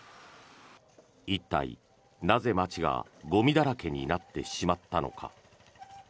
一体、なぜ街がゴミだらけになってしまったのか。